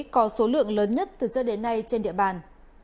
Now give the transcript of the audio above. có số lượng lớn nhất từ trước đến nay trên địa bàn